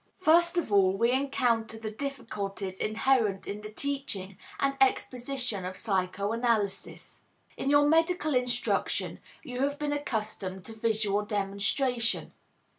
First of all, we encounter the difficulties inherent in the teaching and exposition of psychoanalysis. In your medical instruction you have been accustomed to visual demonstration.